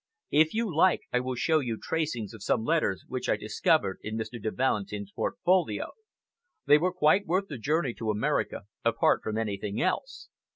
If you like, I will show you tracings of some letters which I discovered in Mr. de Valentin's portfolio. They were quite worth the journey to America, apart from anything else.